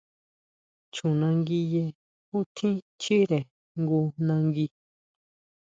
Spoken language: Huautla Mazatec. Chjunanguiye jú tjín chíre jngu nangui.